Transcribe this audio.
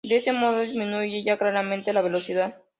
De ese modo disminuye ya claramente la velocidad.